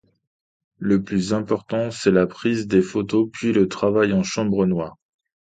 Le plus important, c’est la prise des photos, puis le travail en chambre noire.